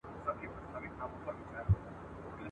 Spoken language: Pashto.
او ټول عمر مي فارسي، پښتو، اردو او انګلیسي شعرونه لوستي دي !.